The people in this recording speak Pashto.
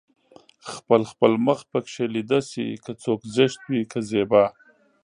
خپل خپل مخ پکې ليده شي که څوک زشت وي که زيبا